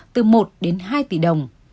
từ một đến hai tỷ đồng